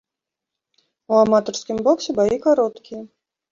У аматарскім боксе баі кароткія.